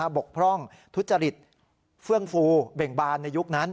บกพร่องทุจริตเฟื่องฟูเบ่งบานในยุคนั้น